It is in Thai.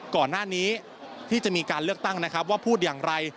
ก่อนหน้านี้ที่จะมีการเลือกตั้งนะครับว่าพูดอย่างไร